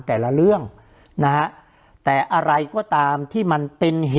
คุณลำซีมัน